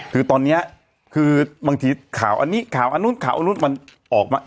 คือตอนนี้คือบางทีข่าวอันนี้ข่าวอันนู้นข่าวอันนู้นมันออกมา